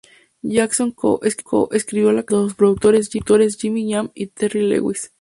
Jackson co-escribió la canción junto a sus productores Jimmy Jam y Terry Lewis.